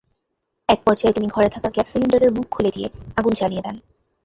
একপর্যায়ে তিনি ঘরে থাকা গ্যাস সিলিন্ডারের মুখ খুলে দিয়ে আগুন জ্বালিয়ে দেন।